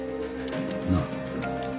なあ。